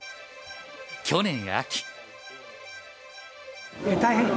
去年秋。